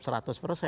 kalau di mana